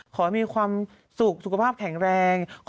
ขอให้มีความสุขสุขภาพแข็งแรง